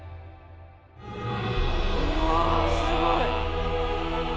うわすごい！